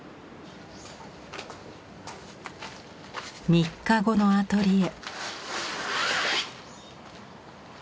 ３日後のアトリエ。